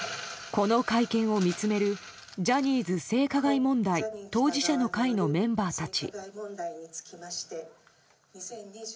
この会見を見つめるジャニーズ性加害問題当事者の会のメンバーたち。